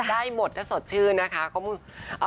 ได้หมดถ้าสดชื่นนะคะ